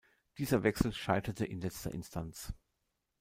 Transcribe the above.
Dieser Wechsel scheiterte in letzter Instanz.